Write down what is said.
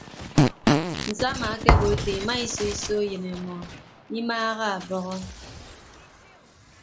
Nsama okobo ete ke ima ise iso eyịn emọ imaaha ọbọhọ.